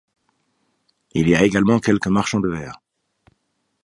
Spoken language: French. Il y a également quelques marchands de verre.